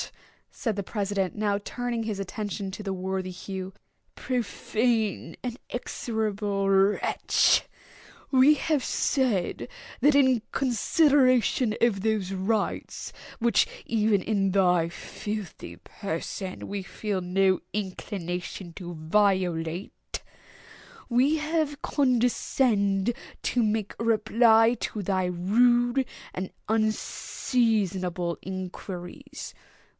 said the president, now turning his attention to the worthy Hugh, "profane and execrable wretch!—we have said, that in consideration of those rights which, even in thy filthy person, we feel no inclination to violate, we have condescended to make reply to thy rude and unseasonable inquiries.